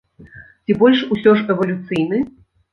Ці больш усё ж эвалюцыйны?